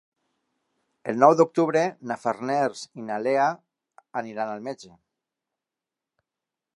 El nou d'octubre na Farners i na Lea iran al metge.